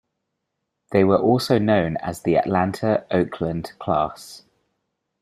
They were also known as the Atlanta"-"Oakland" class.